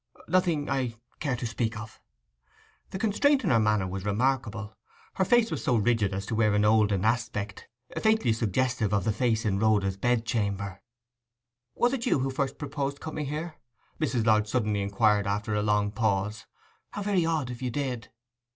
'Nothing I—care to speak of.' The constraint in her manner was remarkable; her face was so rigid as to wear an oldened aspect, faintly suggestive of the face in Rhoda's bed chamber. 'Was it you who first proposed coming here?' Mrs. Lodge suddenly inquired, after a long pause. 'How very odd, if you did!